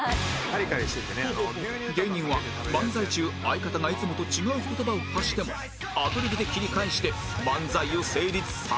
芸人は漫才中相方がいつもと違う言葉を発してもアドリブで切り返して漫才を成立させられるのか？